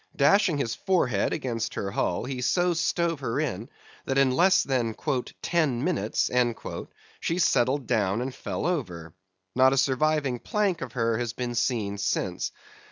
Dashing his forehead against her hull, he so stove her in, that in less than "ten minutes" she settled down and fell over. Not a surviving plank of her has been seen since.